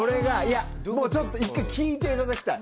１回聞いていただきたい。